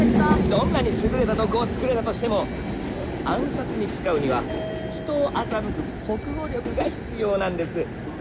どんなに優れた毒を作れたとしても暗殺に使うには人を欺く国語力が必要なんです